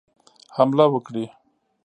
حمله وکړي.